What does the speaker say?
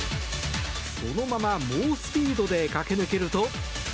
そのまま猛スピードで駆け抜けると。